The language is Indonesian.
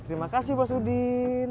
terima kasih bos udin